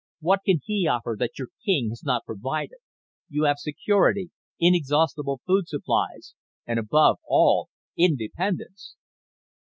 "What can he offer that your king has not provided? You have security, inexhaustible food supplies and, above all, independence!"